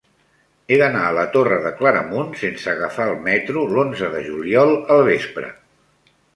He d'anar a la Torre de Claramunt sense agafar el metro l'onze de juliol al vespre.